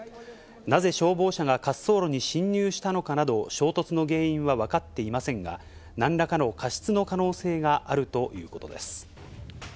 なぜ消防車が滑走路に進入したのかなど、衝突の原因は分かっていませんが、なんらかの過失の可能性があるということです。